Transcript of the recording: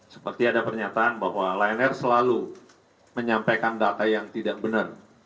seperti ada pernyataan bahwa lion air selalu menyampaikan data yang tidak benar